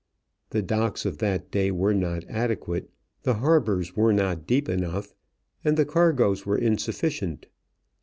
The docks of that day were not adequate, the harbors were not deep enough, and the cargoes were insufficient.